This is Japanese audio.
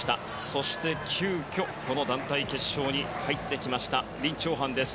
そして、急きょこの団体決勝に入ってきましたリン・チョウハンです。